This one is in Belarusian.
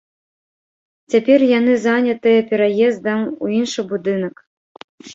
Цяпер яны занятыя пераездам у іншы будынак.